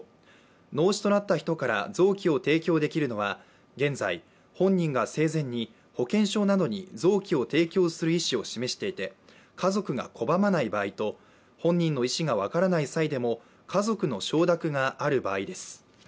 脳死となった人から臓器を提供できるのは現在本人が生前に保険証などに臓器を提供する意思を示していて家族が拒まない場合と本人の意思が分からない際でも家族の承諾がある場合です。